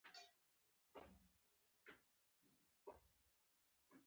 کور په ښځه اباد دی.